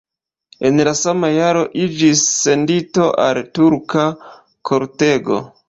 En la sama jaro iĝis sendito al turka kortego.